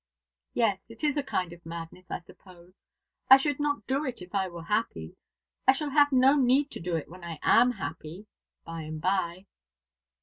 "Yes, it is a kind of madness, I suppose. I should not do it if I were happy. I shall have no need to do it when I am happy by and by."